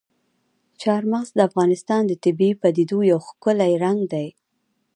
چار مغز د افغانستان د طبیعي پدیدو یو ښکلی رنګ دی.